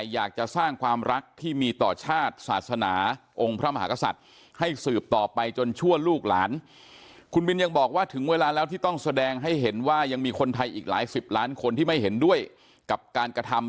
ยังมีคนไทยอีกหลายสิบล้านคนที่ไม่เห็นด้วยกับการกระทำ